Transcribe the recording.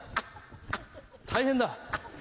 大変だ。